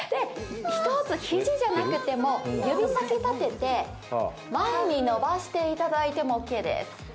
肘じゃなくても、指先を立てて、前に伸ばしていただいてもオッケーです。